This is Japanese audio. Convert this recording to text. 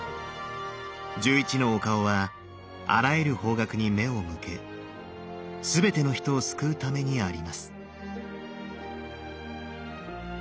１１のお顔はあらゆる方角に目を向け全ての人を救うためにあります。